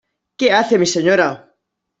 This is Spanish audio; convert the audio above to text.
¡ qué hace mi señora!